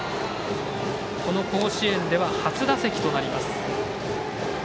この甲子園では初打席となります。